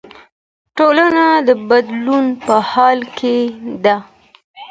ټولنه د بدلون په حال کې ده.